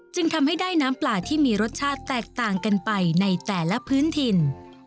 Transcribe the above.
จึงทำให้ได้น้ำปลาที่มีรสชาติแตกต่างกันไปในแต่ละพื้นถิ่น